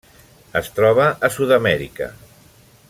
Es troba a Sud-amèrica: